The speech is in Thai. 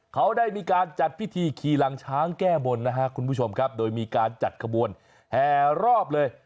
เขาได้มีการจัดพิธีขี่หลังช้างแก้บนนะครับคุณผู้ชมครับโดยมีการจัดขบวนแห่รอบเลย